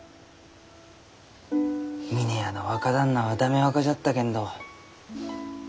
峰屋の若旦那は駄目若じゃったけんど